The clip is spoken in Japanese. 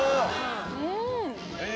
うん。